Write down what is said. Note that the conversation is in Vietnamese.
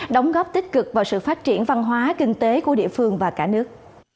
đóng góp tích cực vào sự phát triển văn hóa kinh tế của địa phương và cả nước